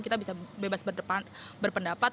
kita bisa bebas berpendapat